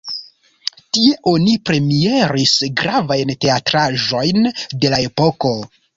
Tie oni premieris gravajn teatraĵojn de la epoko.